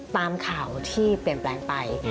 ตามข่าวที่เปลี่ยนแปลงไป